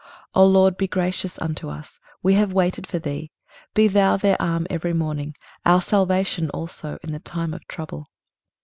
23:033:002 O LORD, be gracious unto us; we have waited for thee: be thou their arm every morning, our salvation also in the time of trouble.